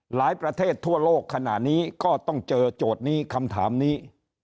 ประเทศทั่วโลกขณะนี้ก็ต้องเจอโจทย์นี้คำถามนี้